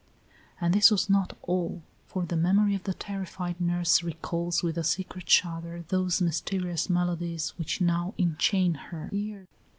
And this was not all; for the memory of the terrified nurse recalls with a secret shudder those mysterious melodies which now enchain her ear.